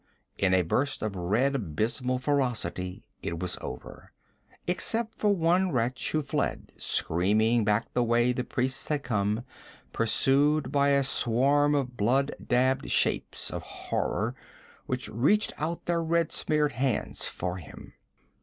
In a burst of red abysmal ferocity it was over, except for one wretch who fled screaming back the way the priests had come, pursued by a swarm of blood dabbled shapes of horror which reached out their red smeared hands for him.